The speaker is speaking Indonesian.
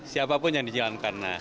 siapapun yang dicalonkan